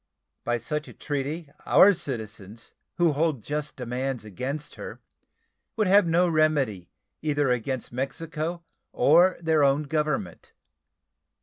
By such a treaty our citizens who hold just demands against her would have no remedy either against Mexico or their own Government.